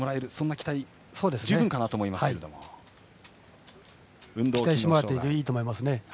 期待してもらっていいと思います。